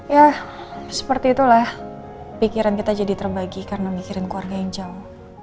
ya seperti itulah pikiran kita jadi terbagi karena mikirin keluarga yang jauh